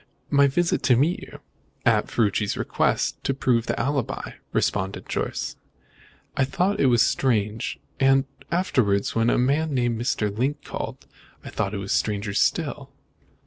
"My visit to meet you, at Ferruci's request, to prove the alibi," responded Jorce. "I thought it was strange, and afterwards, when a detective named Mr. Link, called, I thought it was stranger still."